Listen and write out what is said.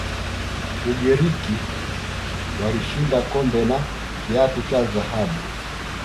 ugiriki walishinda kombe na kiatu cha dhahabu